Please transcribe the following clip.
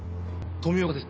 富岡です。